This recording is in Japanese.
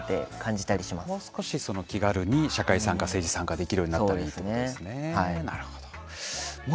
もう少し気軽に社会参加政治参加できるようになったらいいってことですね。